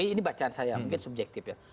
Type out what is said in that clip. ini bacaan saya mungkin subjektif ya